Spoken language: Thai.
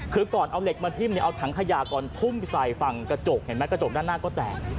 คือก่อนเอาเหล็กมาทิ้มเอาถังขยะก่อนทุ่มใส่ฝั่งกระจกเห็นไหมกระจกด้านหน้าก็แตก